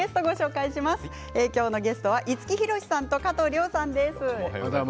今日のゲストは五木ひろしさんと加藤諒さんです。